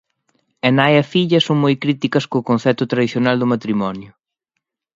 E nai e filla son moi críticas co concepto tradicional de matrimonio.